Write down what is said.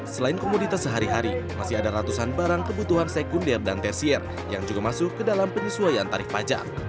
selain komoditas sehari hari masih ada ratusan barang kebutuhan sekunder dan tersier yang juga masuk ke dalam penyesuaian tarif pajak